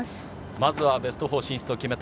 まずはベスト４進出を決めた